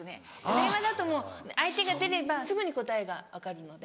電話だともう相手が出ればすぐに答えが分かるので。